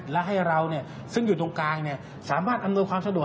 และให้เราซึ่งอยู่ตรงกลางสามารถอำนวยความสะดวก